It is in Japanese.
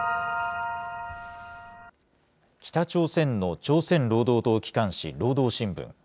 北朝鮮の朝鮮労働党機関紙、労働新聞。